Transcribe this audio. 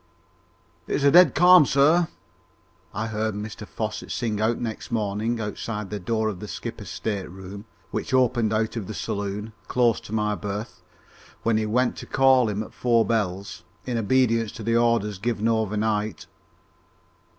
"It's a dead calm, sir!" I heard Mr Fosset sing out next morning outside the door of the skipper's state room, which opened out of the saloon, close to my berth, when he went to call him at four bells, in obedience to orders given overnight.